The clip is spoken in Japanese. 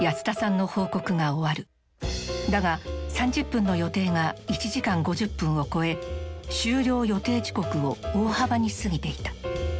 だが３０分の予定が１時間５０分を越え終了予定時刻を大幅に過ぎていた。